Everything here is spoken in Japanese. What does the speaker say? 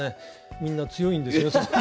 みんな強いんですよ。